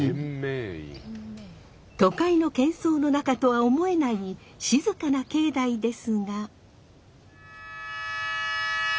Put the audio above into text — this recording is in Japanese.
都会のけん騒の中とは思えない静かな境内ですが。